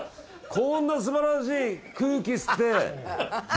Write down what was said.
こんなすばらしい空気吸って。